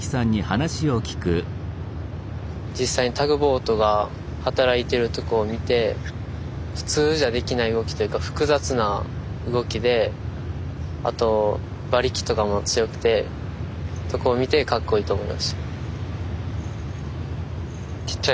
実際にタグボートが働いてるとこを見て普通じゃできない動きというか複雑な動きであと馬力とかも強くてとこを見てかっこいいと思いました。